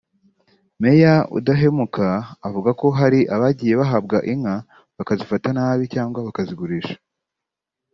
Meya Udahemuka avuga ko hari abagiye bahabwa inka bakazifata nabi cyangwa bakazigurisha